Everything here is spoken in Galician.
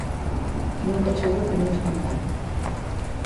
Nunca choveu que non escampara